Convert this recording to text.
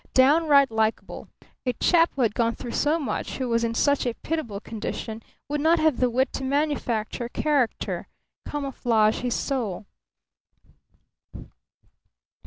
Downright likeable. A chap who had gone through so much, who was in such a pitiable condition, would not have the wit to manufacture character, camouflage his soul.